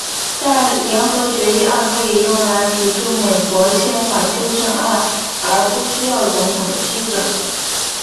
但联合决议案可以用来提出美国宪法修正案而不需要总统的批准。